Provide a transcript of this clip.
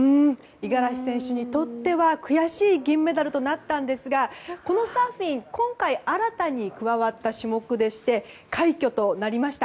五十嵐選手にとって悔しい銀メダルとなりましたがこのサーフィン今回、新たに加わった種目でして快挙となりました。